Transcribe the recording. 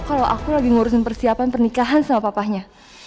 kalo aku lagi ngurusin persiapan pernikahan sama papahnya